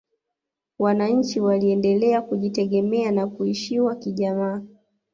wanachi waliendelea kujitegemea na kuishiwa kijamaa